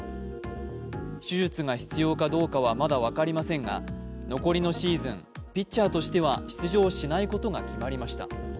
手術が必要かどうかは、まだ分かりませんが残りのシーズン、ピッチャーとして出場しないことが決まりました。